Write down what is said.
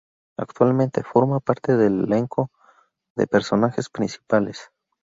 Actualmente forma parte del elenco de personajes principales.